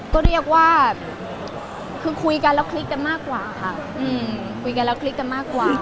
ก็เรียกว่าคือคุยกันแล้วคลิกกันมากกว่าค่ะคุยกันแล้วคลิกกันมากกว่า